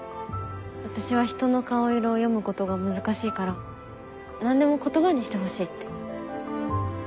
私は人の顔色を読むことが難しいから何でも言葉にしてほしいって。